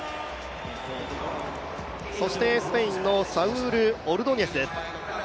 スペインのサウール・オルドニェスです。